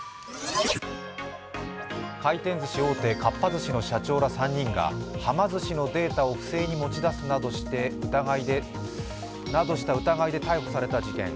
回転ずし大手・かっぱ寿司の社長ら３人がはま寿司のデータを不正に持ち出すなどした疑いで逮捕された事件。